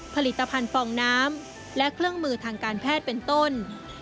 ผลิตภัณฑ์ฟองน้ำและเครื่องมือทางการแพทย์เป็นต้น